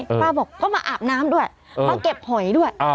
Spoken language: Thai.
ป้าบอกก็มาอาบน้ำด้วยมาเก็บหอยด้วย